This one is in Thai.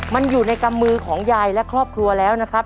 มันอยู่ในกำมือของยายและครอบครัวแล้วนะครับ